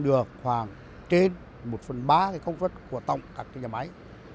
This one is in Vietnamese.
được khoảng trên một phần ba công suất của tổng các nhà máy